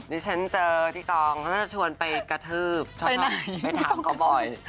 วันที่ฉันเจอที่กองเขาจะชวนไปกระทืบไปทำก็บ่อย